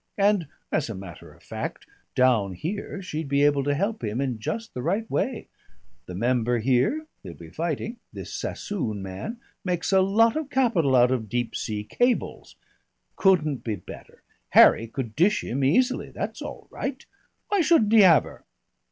And, as a matter of fact, down here she'd be able to help him in just the right way. The member here he'll be fighting this Sassoon man makes a lot of capital out of deep sea cables. Couldn't be better. Harry could dish him easily. That's all right. Why shouldn't he have her?"